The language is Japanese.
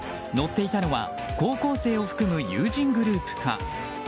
乗っていたのは高校生を含む友人グループか。